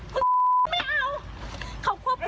ปั๊บออกมา